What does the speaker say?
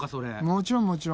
もちろんもちろん。